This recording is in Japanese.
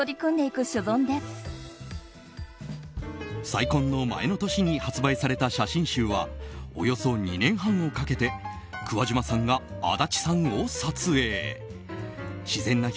再婚の前の年に発売された写真集はおよそ２年半をかけて桑島さんが安達さんを撮影。